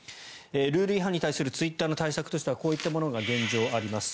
ルール違反に対するツイッターの対策としてはこういったものが現状、あります。